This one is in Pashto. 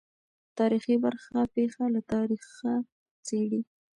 تاریخي برخه پېښه له تاریخه څېړي.